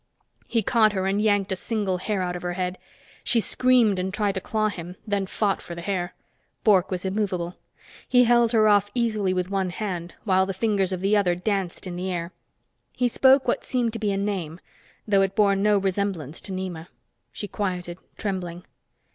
He caught her and yanked a single hair out of her head. She screamed and tried to claw him, then fought for the hair. Bork was immovable. He held her off easily with one hand while the fingers of the other danced in the air. He spoke what seemed to be a name, though it bore no resemblance to Nema. She quieted, trembling.